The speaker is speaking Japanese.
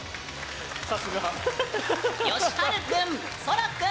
よしはる君、そら君